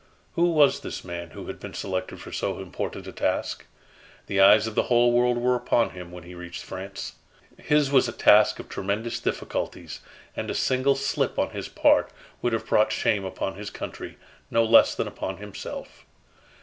Who was this man who had been selected for so important a task? The eyes of the whole world were upon him, when he reached France. His was a task of tremendous difficulties, and a single slip on his part would have brought shame upon his country, no less than upon himself.